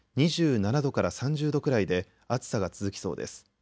２７度から３０度くらいで暑さが続きそうです。